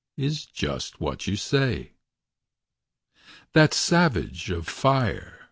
Is just what you say. That savage of fire.